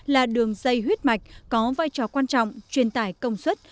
là đường dây huyết mạch có vai trò quan trọng truyền tải công suất